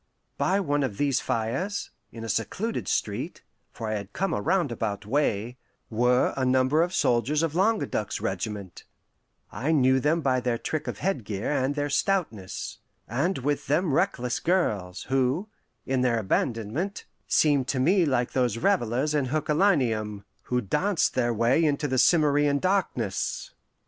By one of these fires, in a secluded street for I had come a roundabout way were a number of soldiers of Languedoc's regiment (I knew them by their trick of headgear and their stoutness), and with them reckless girls, who, in their abandonment, seemed to me like those revellers in Herculaneum, who danced their way into the Cimmerian darkness.